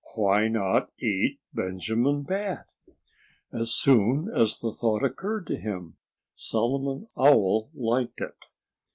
Why not eat Benjamin Bat? As soon as the thought occurred to him, Solomon Owl liked it.